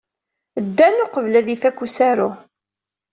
Ddan uqbel ad ifak usaru.